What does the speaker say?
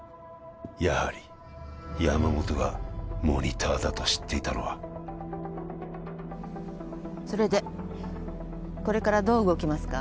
やはり山本がモニターだと知っていたのはそれでこれからどう動きますか？